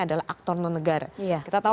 adalah aktor non negara kita tahu